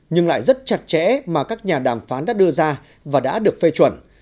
nhưng lại rất chặt chẽ mà các nhà đàm phán đã đưa ra và đã được phê chuẩn